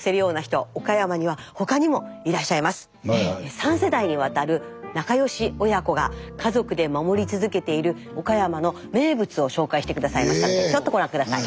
３世代にわたる仲良し親子が家族で守り続けている岡山の名物を紹介して下さいましたのでちょっとご覧下さい。